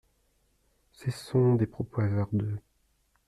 Cessons des propos hasardeux.